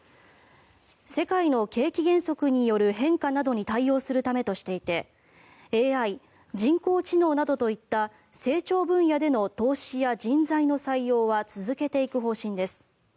世界の景気減速による変化などに対応するためとしていてＡＩ・人工知能などといった成長分野での投資や人材の採用は続けていく方針です。